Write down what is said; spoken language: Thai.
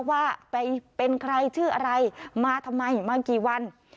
ว่าไปเป็นใครชื่ออะไรมาทำไมมากี่วัน